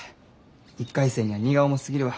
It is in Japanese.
１回生には荷が重すぎるわ。